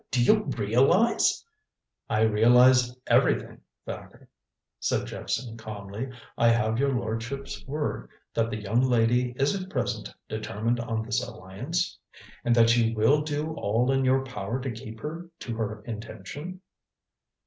Do you realize " "I realize everything, Thacker," said Jephson calmly. "I have your lordship's word that the young lady is at present determined on this alliance? And that you will do all in your power to keep her to her intention?"